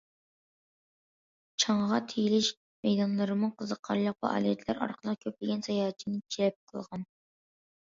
چاڭغا تېيىلىش مەيدانلىرىمۇ قىزىقارلىق پائالىيەتلەر ئارقىلىق كۆپلىگەن ساياھەتچىنى جەلپ قىلغان.